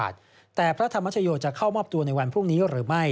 แต่พระธรรมชโยจะเข้ามอบตัวในวันพรุ่งนี้หรือไม่